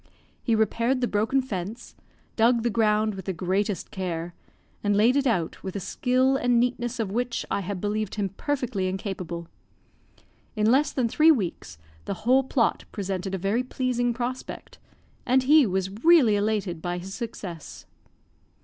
He repaired the broken fence, dug the ground with the greatest care, and laid it out with a skill and neatness of which I had believed him perfectly incapable. In less than three weeks, the whole plot presented a very pleasing prospect, and he was really elated by his success.